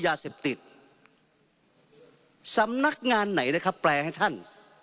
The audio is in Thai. ยาเสพติดสำนักงานไหนนะครับแปลให้ท่าน